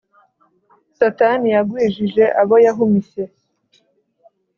satani yagwijije abo yahumishye.